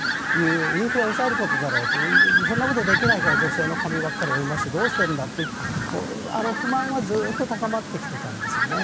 インフレを抑えることだろうとそんなことできないから女性の髪ばかり追い回してどうしてんだっていう不満はずっと高まってきていたんですよね。